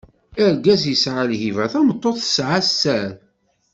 Argaz yesɛa lhiba, tameṭṭut tesɛa sser.